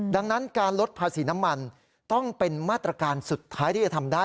ดังนั้นการลดภาษีน้ำมันต้องเป็นมาตรการสุดท้ายที่จะทำได้